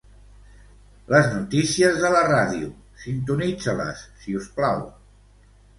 Les notícies de la ràdio, sintonitza-les, si us plau.